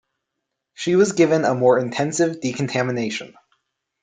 She was given a more intensive decontamination.